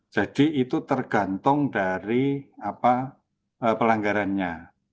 jadi itu tergantung dari pelanggarannya